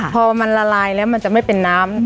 พอมันละลายแล้วมันจะไม่เป็นน้ำ